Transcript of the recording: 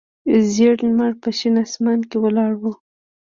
زیړ لمر په شین اسمان کې ولاړ و.